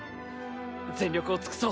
全力を尽くそう。